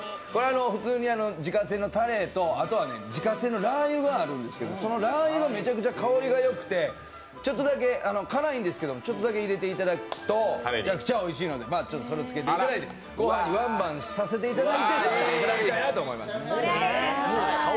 普通に自家製のたれと自家製のラー油があるんですけれども、そのラー油がめちゃくちゃ香りがよくて、辛いんですけどちょっとだけ入れていただくとむちゃくちゃおいしいのでそれをつけていただいてごはんにワンバンしていただいて食べていただきたいなと思います。